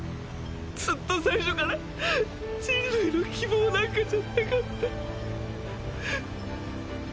ずっと最初から人類の希望なんかじゃなかった。